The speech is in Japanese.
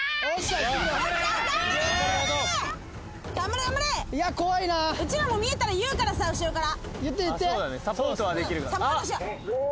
うちらも見えたら言うからさ、後ろから。